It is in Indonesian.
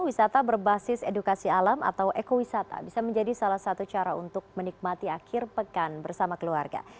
wisata berbasis edukasi alam atau ekowisata bisa menjadi salah satu cara untuk menikmati akhir pekan bersama keluarga